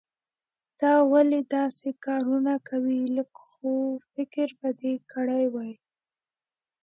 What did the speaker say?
دا ولې داسې کارونه کوې؟ لږ خو فکر به دې کړای وو.